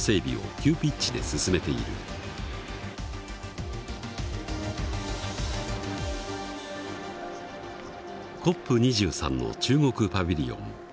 ＣＯＰ２３の中国パビリオン。